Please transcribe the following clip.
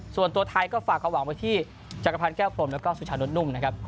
ส่วนตัวไทยก็ฝากความหวังไว้ที่จักรพันธ์แก้วพรมแล้วก็สุชานุษนุ่มนะครับ